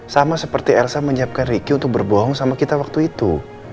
sama seperti elsa menyiapkan ricky untuk berbohong sama kita waktu itu